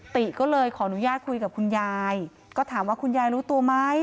ติก็เลยขออนุญาตคุยกับคุณยายก็ถามว่าคุณยายรู้ตัวไหม